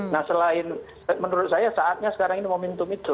nah selain menurut saya saatnya sekarang ini momentum itu